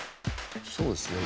そうですね。